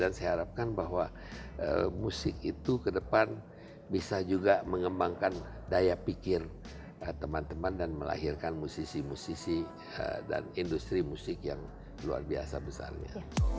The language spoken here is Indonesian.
dan saya harapkan bahwa musik itu ke depan bisa juga mengembangkan daya pikir teman teman dan melahirkan musisi musisi dan industri musik yang luar biasa besarnya